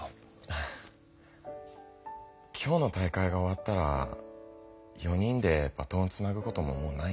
ハァ今日の大会が終わったら４人でバトンをつなぐことももうないんだよな。